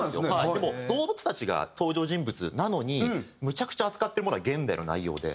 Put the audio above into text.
でも動物たちが登場人物なのにむちゃくちゃ扱ってるものは現代の内容で。